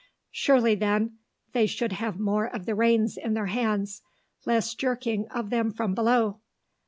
Surely, then, they should have more of the reins in their hands, less jerking of them from below....